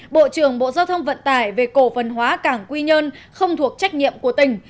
bộ trưởng bộ giao thông vận tải về cổ phần hóa cảng quy nhơn không thuộc trách nhiệm của tỉnh